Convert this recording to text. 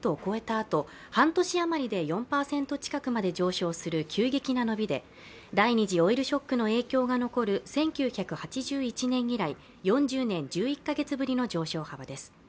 あと半年余りで４％近くまで上昇する急激な伸びで第２次オイルショックの影響が残る１９８１年以来、４０年１１か月ぶりの上昇幅です。